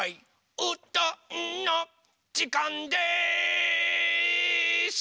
「うどんのじかんです！」